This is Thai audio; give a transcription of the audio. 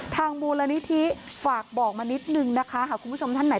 ทางมูลนิธิฝากบอกมันนิดนึงคุณผู้ชมท่านไหน